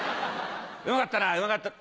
「よかったなよかった」。